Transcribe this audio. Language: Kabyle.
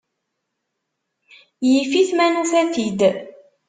Yif-it ma nufa-t-id.